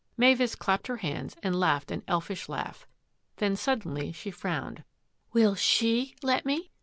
Mavis clapped her hands and laughed an elfish laugh. Then suddenly she frowned. "Will she let me?"